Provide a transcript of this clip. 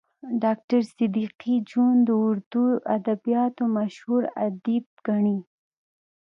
ډاکټر صدیقي جون د اردو ادبياتو مشهور ادیب ګڼي